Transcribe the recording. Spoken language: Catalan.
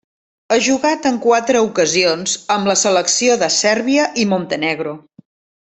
Ha jugat en quatre ocasions amb la selecció de Sèrbia i Montenegro.